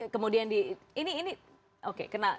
kemudian di ini oke kena